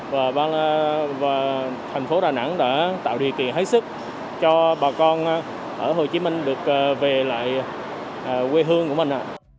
và ban thành phố đà nẵng đã tạo điều kiện hết sức cho bà con ở hồ chí minh được về lại quê hương của mình